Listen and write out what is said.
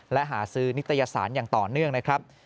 และหาซื้อนิตยสารอย่างต่อเนื่องนะครับ